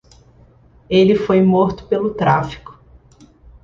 Ele foi morto pelo tráfico.